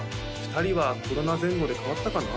２人はコロナ前後で変わったかな？